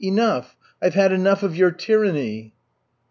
Enough! I've had enough of your tyranny."